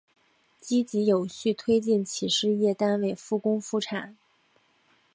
积极有序推进企事业单位复工复产